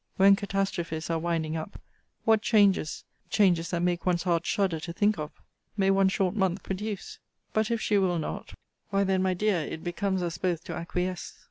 When catastrophes are winding up, what changes (changes that make one's heart shudder to think of,) may one short month produce? But if she will not why then, my dear, it becomes us both to acquiesce.